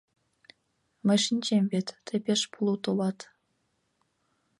Мый шинчем вет, тый пеш плут улат.